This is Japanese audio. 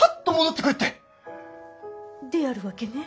であるわけね？